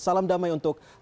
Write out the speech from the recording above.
salam damai untuk jemaat